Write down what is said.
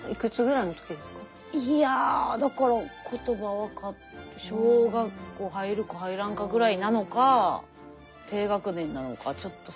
いやだから言葉分かって小学校入るか入らんかぐらいなのか低学年なのかちょっと定かではないんですけど。